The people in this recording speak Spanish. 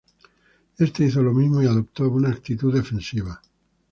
Éste hizo lo mismo y adoptó una actitud defensiva.